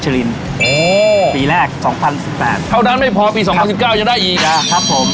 จะครับผม